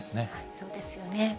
そうですよね。